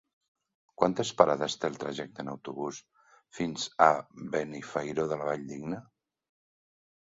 Quantes parades té el trajecte en autobús fins a Benifairó de la Valldigna?